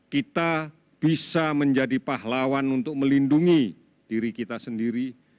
kita bisa menjadi pahlawan untuk melindungi diri kita sendiri